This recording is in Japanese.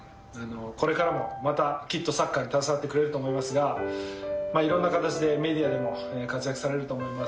これからもまたきっとサッカーに携わってくれると思いますが、いろんな形でメディアでも活躍されると思います。